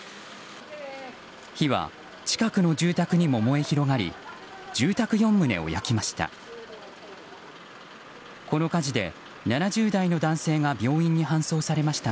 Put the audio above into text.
火は近くの住宅にも燃え広がり住宅４棟を焼きました。